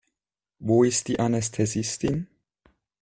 Wo ist die Anästhesistin?